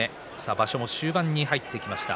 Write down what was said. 場所も終盤に入ってきました。